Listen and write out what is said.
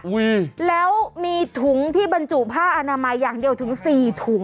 แล้วมีถุงที่บรรจุผ้าอนามัยอย่างเดียวถึงสี่ถุง